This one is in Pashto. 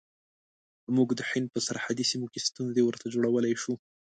موږ د هند په سرحدي سیمو کې ستونزې ورته جوړولای شو.